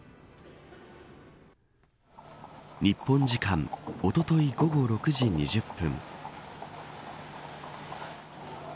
日本時間おととい午後６時２０分。